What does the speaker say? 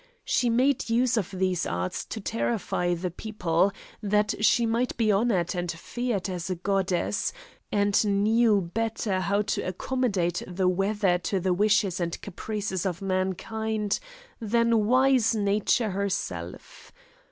She made use of these arts to terrify the people, that she might be honoured and feared as a goddess, and knew better how to accommodate the weather to the wishes and caprices of mankind, than wise nature herself.